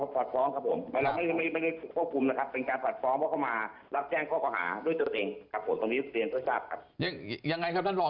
ทั้งระหว่างในส่วนของทางการแพทย์และช่วยตำรวจผล้าฟ้อง